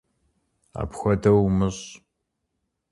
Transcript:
Apxuedeu vumış'!